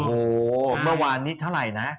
โอ้โหเมื่อวานนี้เท่าไหร่นะ